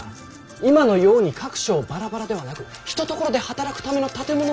今のように各省バラバラではなく一ところで働くための建物も入り用だ。